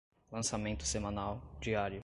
lançamento semanal, diário